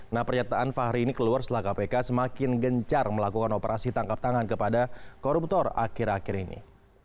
nah pernyataan fahri ini keluar setelah kpk semakin gencar melakukan operasi tangkap tangan kepada koruptor akhir akhir ini